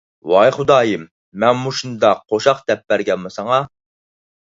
ۋاي خۇدايىم، مەن مۇشۇنداق قوشاق دەپ بەرگەنما ساڭا؟